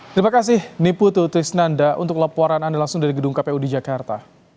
terima kasih niputu trisnanda untuk laporan anda langsung dari gedung kpu di jakarta